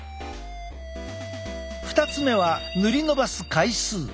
２つ目は塗り伸ばす回数。